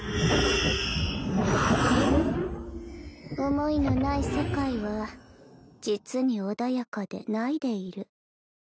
思いのない世界は実に穏やかで凪いでいる。